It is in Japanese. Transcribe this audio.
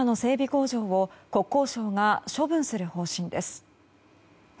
工場を国交省が処分する方針です。